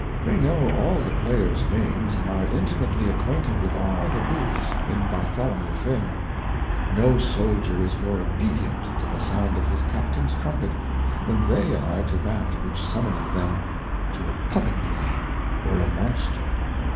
They know all the Players Names, and are Intimately acquainted with all the Booths in Bartholomew Fair. No Soldier is more Obedient to the sound of his Captain's Trumpet, than they are to that which summoneth them to a Puppet Play or a Monster.